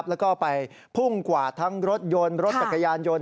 แล้วก็ไปพุ่งกวาดทั้งรถยนต์รถจักรยานยนต์